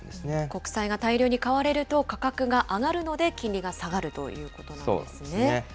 国債が大量に買われると価格が上がるので、金利が下がるといそうですね。